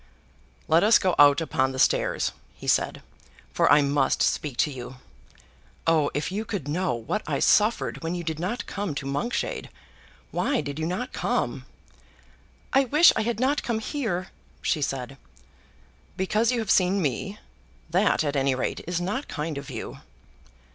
"Let us go out upon the stairs," he said, "for I must speak to you. Oh, if you could know what I suffered when you did not come to Monkshade! Why did you not come?" "I wish I had not come here," she said. "Because you have seen me? That, at any rate, is not kind of you."